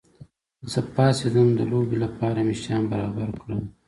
زه پاڅېدم، د لوبې لپاره مې شیان برابر کړل.